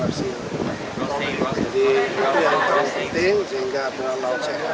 dan ini tujuannya adalah apa